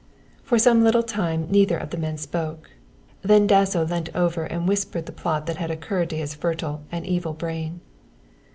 For some little time neither of the men spoke, then Dasso leant over and whispered the plot that had occurred to his fertile and evil brain.